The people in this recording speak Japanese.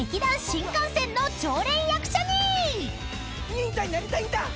「忍者になりたいんだ！」